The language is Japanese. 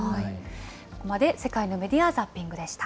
ここまで世界のメディア・ザッピングでした。